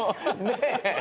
ねえ？